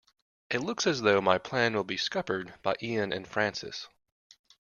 It looks as though my plan will be scuppered by Ian and Francis.